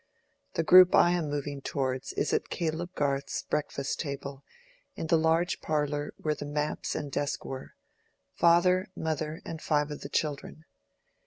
The group I am moving towards is at Caleb Garth's breakfast table in the large parlor where the maps and desk were: father, mother, and five of the children.